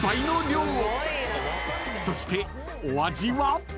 ［そしてお味は？］